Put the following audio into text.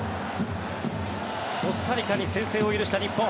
コスタリカに先制を許した日本。